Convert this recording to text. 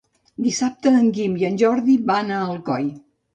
Dissabte en Guim i en Jordi van a Alcoi.